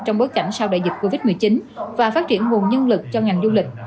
trong bối cảnh sau đại dịch covid một mươi chín và phát triển nguồn nhân lực cho ngành du lịch